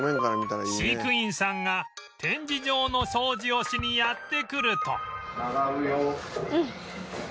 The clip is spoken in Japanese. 飼育員さんが展示場の掃除をしにやって来ると